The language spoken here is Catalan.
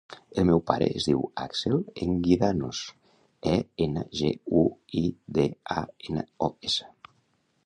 El meu pare es diu Axel Enguidanos: e, ena, ge, u, i, de, a, ena, o, essa.